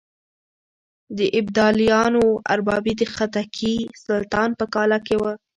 د ابدالیانو اربابي د خدکي سلطان په کاله کې وه.